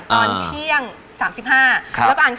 ตอนเที่ยง๓๕